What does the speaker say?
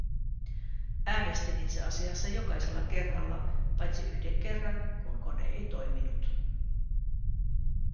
Äänestin itse asiassa jokaisella kerralla paitsi yhden kerran, kun kone ei toiminut.